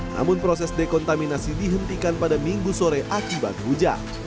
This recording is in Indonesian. namun proses dekontaminasi dihentikan pada minggu sore akibat hujan